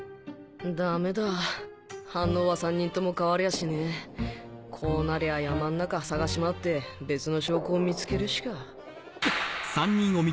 ダメだ反応は３人とも変わりゃあしねえこうなりゃ山ん中探し回って別の証拠を見つけるしかあっ？